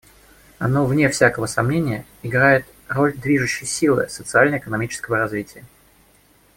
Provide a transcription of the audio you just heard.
Оно, вне всякого сомнения, играет роль движущей силы социально-экономического развития.